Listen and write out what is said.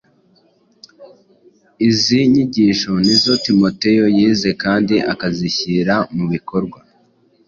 Izi nyigisho ni zo Timoteyo yize kandi akazishyira mu bikorwa.